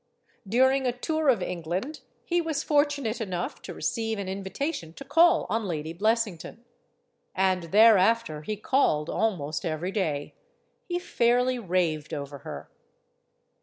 During a tour of England, he was fortunate enough to receive an invitation to call on Lady Blessington. And thereafter he called almost every day. He fairly raved over her.